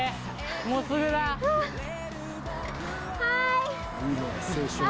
はい！